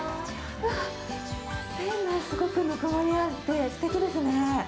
店内、すごくぬくもりあって、すてきですね。